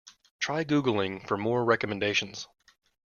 Try googling for more recommendations.